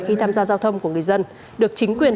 khi tham gia giao thông của người dân được chính quyền